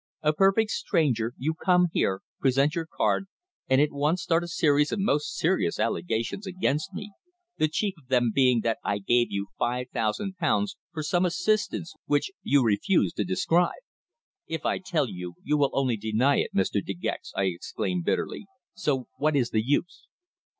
"A perfect stranger, you come here, present your card, and at once start a series of most serious allegations against me, the chief of them being that I gave you five thousand pounds for some assistance which you refuse to describe." "If I tell you, you will only deny it, Mr. De Gex," I exclaimed bitterly. "So what is the use?"